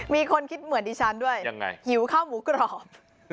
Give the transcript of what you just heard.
มีคนคิดเหมือนดิฉันด้วยยังไงหิวข้าวหมูกรอบ